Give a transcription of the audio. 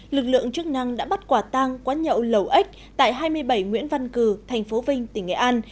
lực lượng chức năng đã bắt quả tang quán nhậu lầu ếch tại hai mươi bảy nguyễn văn cử tp vinh tỉnh nghệ an